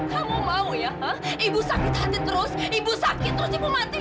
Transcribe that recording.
kamu mau ya ibu sakit hati terus ibu sakit terus ibu mati